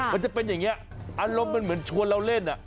มันจะเป็นอย่างนี้อารมณ์มันเหมือนชวนเราเล่น